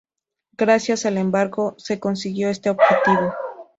Gracias al embargo se consiguió este objetivo.